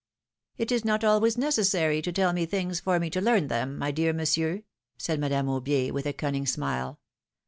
It is not always necessary to tell me things for me to learn them, my dear Monsieur, said Madame Aubier, with a cunning smile.